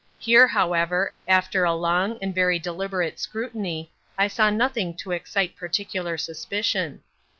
Here, however, after a long and very deliberate scrutiny, I saw nothing to excite particular suspicion.